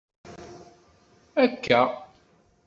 Akka!